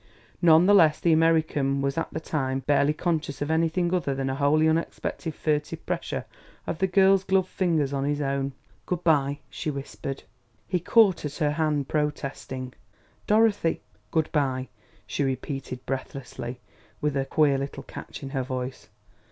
None the less the American was at the time barely conscious of anything other than a wholly unexpected furtive pressure of the girl's gloved fingers on his own. "Good by," she whispered. He caught at her hand, protesting. "Dorothy !" "Good by," she repeated breathlessly, with a queer little catch in her voice.